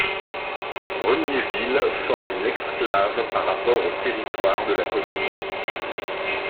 Regniéville forme une exclave par rapport au territoire de la commune.